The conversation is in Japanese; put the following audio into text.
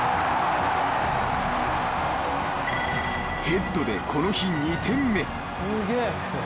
［ヘッドでこの日２点目］